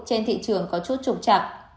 trên thị trường có chút trục chặt